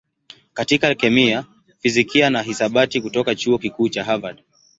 katika kemia, fizikia na hisabati kutoka Chuo Kikuu cha Harvard.